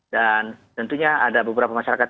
dan tentunya ada beberapa masyarakat